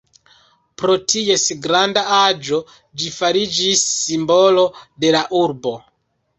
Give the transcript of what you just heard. Pro ties granda aĝo ĝi fariĝis simbolo de la urbo.